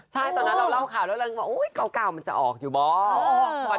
ใช่ตอนนั้นเราเล่าข่าวเริ่มยวนว่าโอ้ยเก่าเก่ามันจะออกอยู่มะ